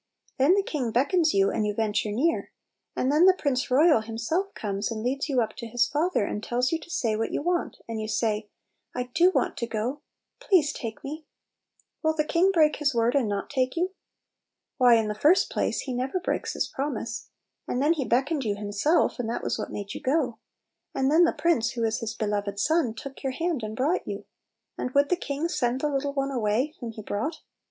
Then the king beckons .you, and you ven ture near; and then the prince royal himself comes and leads you up to his father, and tells you to say what you want, and you say, " I do want to go, please take me I " Will the king break his word and not take you ? Why, in Little Pillows. 13 the first plaice, he never bieaks his promise. And then he beckoned you himself, and that was what made you go. And then the prince, who is his beloved son, took your hand and brought you; and would the king send the little one away whom he brought?